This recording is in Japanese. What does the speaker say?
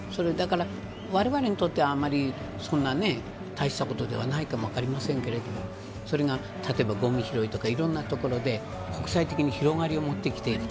われわれにとってはあんまりそんな大したことではないかも分かりませんけどそれが例えば、ごみ拾いとかいろんなところで国際的に広がりをもってきている。